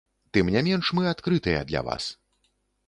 Тым не менш, мы адкрытыя для вас.